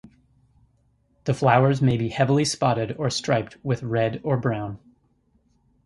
The flowers may be heavily spotted or striped with red or brown.